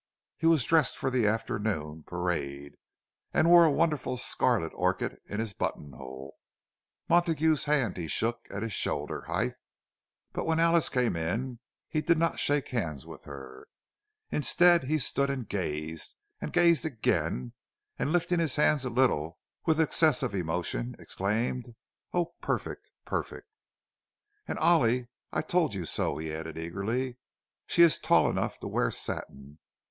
He was dressed for the afternoon parade, and wore a wonderful scarlet orchid in his buttonhole. Montague's hand he shook at his shoulder's height; but when Alice came in he did not shake hands with her. Instead, he stood and gazed, and gazed again, and lifting his hands a little with excess of emotion, exclaimed, "Oh, perfect! perfect!" "And Ollie, I told you so!" he added, eagerly. "She is tall enough to wear satin!